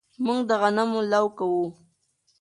موږ د غنمو لو کوو